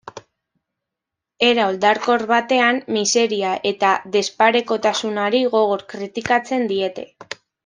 Era oldarkor batean miseria eta desparekotasunari gogor kritikatzen diete.